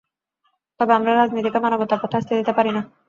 তবে আমরা রাজনীতিকে মানবতার পথে আসতে দিতে পারি না।